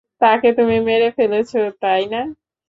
তাকে তুমি মেরে ফেলেছো, তাই না?